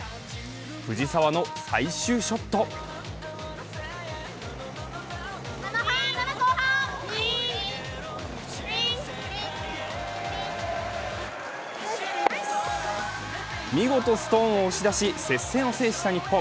藤澤の最終ショット見事ストーンを押しだし接戦を制した日本。